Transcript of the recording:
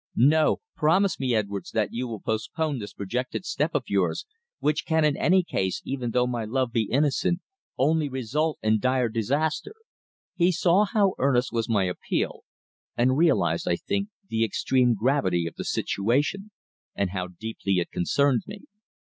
No. Promise me, Edwards, that you will postpone this projected step of yours, which can, in any case, even though my love be innocent, only result in dire disaster." He saw how earnest was my appeal, and realised, I think, the extreme gravity of the situation, and how deeply it concerned me.